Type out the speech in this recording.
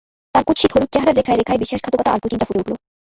তার কুৎসিত হলুদ চেহারার রেখায় রেখায় বিশ্বাসঘাতকতা আর কুচিন্তা ফুটে উঠল।